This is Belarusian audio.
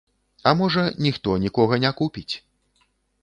А можа, ніхто нікога не купіць.